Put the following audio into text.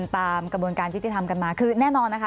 ตามกระบวนการยุติธรรมกันมาคือแน่นอนนะคะ